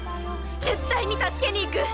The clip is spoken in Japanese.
絶対に助けに行く。